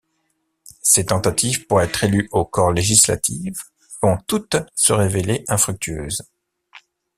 Ses tentatives pour être élu au Corps législatif vont toutes se révéler infructueuses.